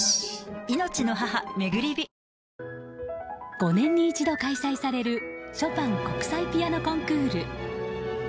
５年に一度開催されるショパン国際ピアノコンクール。